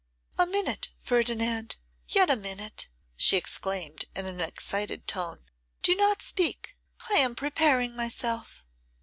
'A minute, Ferdinand, yet a minute,' she exclaimed in an excited tone; 'do not speak, I am preparing myself.